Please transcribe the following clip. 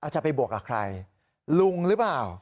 จะไปบวกกับใครลุงหรือเปล่า